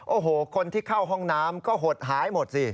โอ้โหคนที่เข้าห้องน้ำก็หดหายหมดสิ